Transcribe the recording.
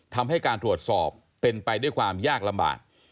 ทำให้การตรวจสอบเป็นไปด้วยความยากลำบาก